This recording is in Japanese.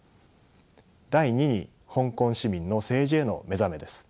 第２に香港市民の政治への目覚めです。